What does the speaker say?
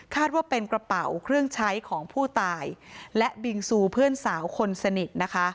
ว่าเป็นกระเป๋าเครื่องใช้ของผู้ตายและบิงซูเพื่อนสาวคนสนิทนะคะ